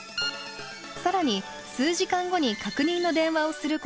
更に数時間後に確認の電話をすることを予告。